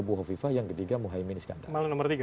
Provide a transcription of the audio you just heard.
buhafifah yang ketiga muhaymin iskandar